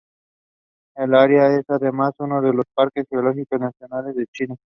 El área es además uno de los Parques Geológicos Nacionales de China.